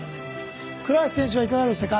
倉橋選手はいかがでしたか？